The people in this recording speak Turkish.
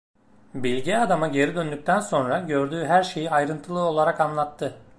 Bilge adama geri döndükten sonra gördüğü her şeyi ayrıntılı olarak anlattı.